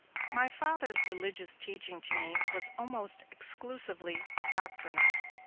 My Father's religious teaching to me was almost exclusively doctrinal.